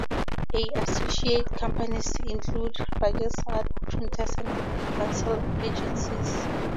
Associate companies include Rajes Art Printers and Vansal Agencies.